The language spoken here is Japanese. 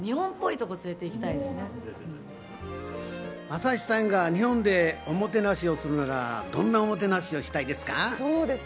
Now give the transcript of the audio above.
朝日さんが日本でおもてなしをするなら、どんなおもてなしをしたいですか？